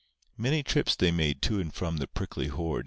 Many trips they made to and from the prickly hoard.